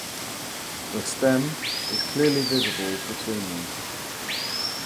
The stem is clearly visible between them.